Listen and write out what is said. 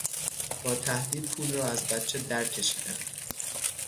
با تهدید پول را از بچه درکشیدند.